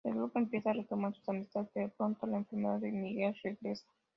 El grupo empieza a retomar su amistad, pero pronto la enfermedad de Miguel regresa.